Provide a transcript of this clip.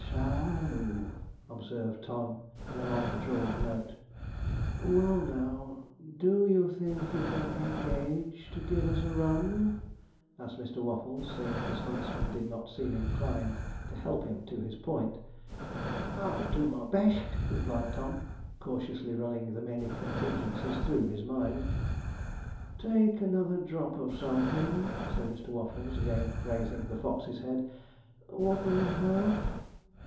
'S o o,' observed Tom, in a long drawled note. 'Well, now! do you think you can engage to give us a run?' asked Mr. Waffles, seeing his huntsman did not seem inclined to help him to his point. 'I'll do my best,' replied Tom, cautiously running the many contingencies through his mind. 'Take another drop of something,' said Mr. Waffles, again raising the Fox's head. 'What'll you have?'